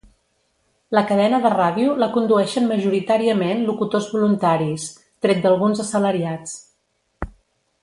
La cadena de ràdio la condueixen majoritàriament locutors voluntaris, tret d'alguns assalariats.